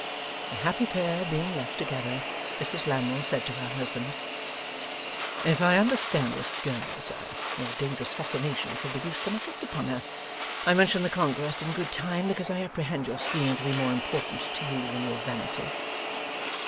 The happy pair being left together, Mrs Lammle said to her husband: 'If I understand this girl, sir, your dangerous fascinations have produced some effect upon her. I mention the conquest in good time because I apprehend your scheme to be more important to you than your vanity.